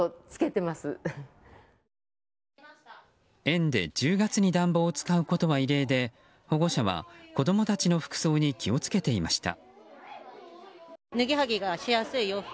園で１０月に暖房を使うことは異例で保護者は、子供たちの服装に気を付けていました。